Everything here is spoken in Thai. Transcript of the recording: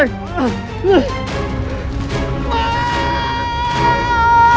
หึว่า